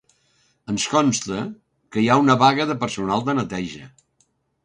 Ens costa que hi ha una vaga de personal de neteja.